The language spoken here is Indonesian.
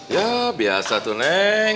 ya biasa tuh neng